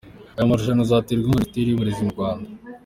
Aya marushanwa azaterwa inkunga na Minisiteri y’u Burezi mu Rwanda.